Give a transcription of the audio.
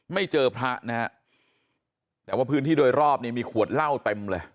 ไม่เจอพระนะฮะแต่ว่าพื้นที่โดยรอบนี่มีขวดเหล้าเต็มเลย